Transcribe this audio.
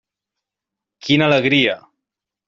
Quina alegria!